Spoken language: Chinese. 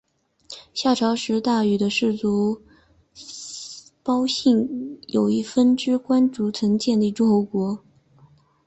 夏朝时大禹的氏族姒姓有一分支斟灌氏曾建立诸侯国。